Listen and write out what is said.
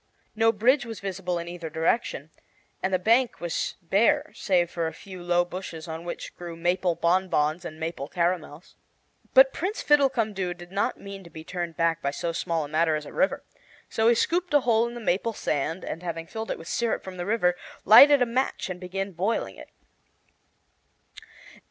No bridge was visible in either direction, and the bank was bare save for a few low bushes on which grew maple bonbons and maple caramels. But Prince Fiddlecumdoo did not mean to be turned back by so small a matter as a river, so he scooped a hole in the maple sand, and having filled it with syrup from the river, lighted a match and began boiling it.